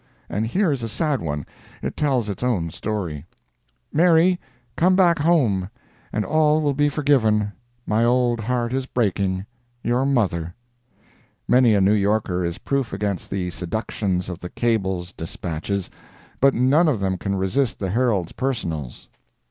And here is a sad one; it tells its own story: "MARY—COME BACK HOME, AND ALL WILL BE FORGIVEN. My old heart is breaking. "YOUR MOTHER." Many a New Yorker is proof against the seductions of the Cable's despatches, but none of them can resist the Herald's "Personals."